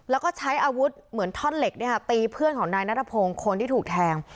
แล้วก็ใช้อาวุธเหมือนท่อนเหล็กตีเพื่อนของนายนัทพงศ์คนที่ถูกแทง